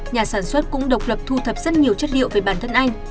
nhà sản xuất cũng độc lập thu thập rất nhiều chất liệu về bản thân anh